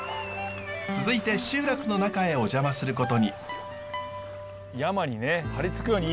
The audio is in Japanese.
続いて集落の中へお邪魔することに。